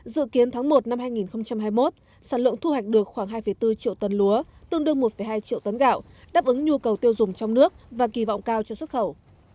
dự kiến tháng một năm hai nghìn hai mươi một sản lượng thu hoạch được khoảng hai bốn triệu tấn lúa tương đương một hai triệu tấn gạo đáp ứng nhu cầu tiêu dùng trong nước và kỳ vọng cao cho xuất khẩu